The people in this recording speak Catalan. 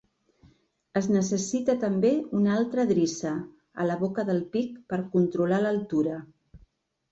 Es necessita també una altra drissa a la boca del pic per controlar l'altura.